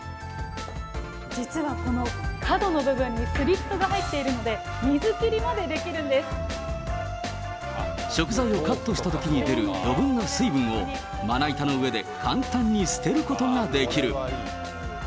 実はこの角の部分にスリットが入っているので、食材をカットしたときに出る余分な水分を、まな板の上で簡単に捨てることができる。